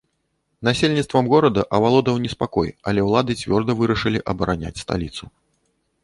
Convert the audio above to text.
Насельніцтвам горада авалодаў неспакой, але ўлады цвёрда вырашылі абараняць сталіцу.